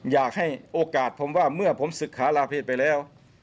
อยากให้โอกาสผมว่าเมื่อผมศึกษาลาเพศไปแล้ว